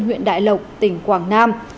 huyện đại lộc tỉnh quảng nam